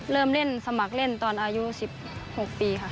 เริ่มเล่นสมัครเล่นตอนอายุ๑๖ปีค่ะ